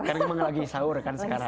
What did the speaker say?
karena memang lagi sahur kan sekarang